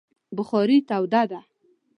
بخارۍ توده ده